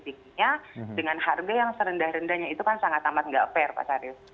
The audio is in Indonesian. dengan harga yang serendah rendahnya itu kan sangat amat tidak fair mas arief